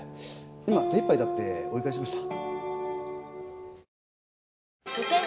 今手いっぱいだって追い返しました。